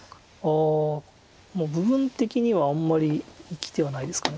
ああもう部分的にはあんまり生きてはないですか。